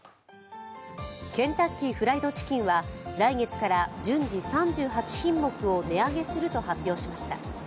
ケンタッキーフライドチキンは先月から順次３８品目を値上げすると発表しました。